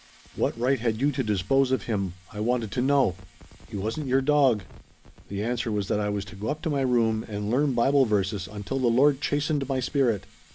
'What right had you to dispose of him?' I wanted to know. 'He wasn't your dog ' The answer was that I was to go up to my room and learn Bible verses until the Lord chastened my spirit.